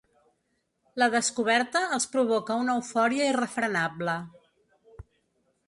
La descoberta els provoca una eufòria irrefrenable.